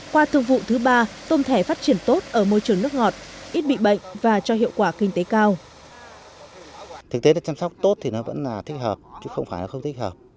qua thương vụ thứ ba tôm thẻ phát triển tốt ở môi trường nước ngọt ít bị bệnh và cho hiệu quả kinh tế cao